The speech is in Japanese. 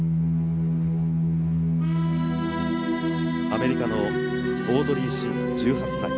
アメリカのオードリー・シン１８歳。